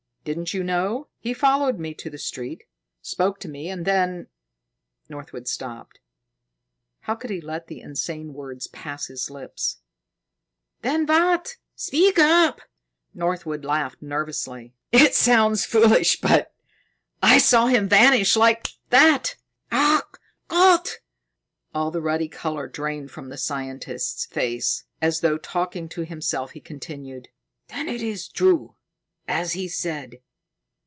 Didn't you know? He followed me to the street, spoke to me, and then " Northwood stopped. How could he let the insane words pass his lips? "Then, what? Speak up!" Northwood laughed nervously. "It sounds foolish, but I saw him vanish like that." He snapped his fingers. "Ach, Gott!" All the ruddy color drained from the scientist's face. As though talking to himself, he continued: "Then it is true, as he said.